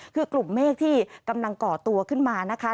คือกลุ่มเมฆที่กำลังก่อตัวขึ้นมานะคะ